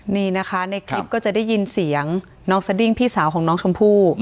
นี่นะคะในคลิปก็จะได้ยินเสียงน้องสดิ้งพี่สาวของน้องชมพู่